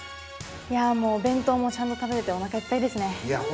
いやもうお弁当もちゃんと食べれておなかいっぱいですね。